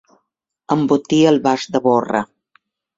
Embotir el bast de borra.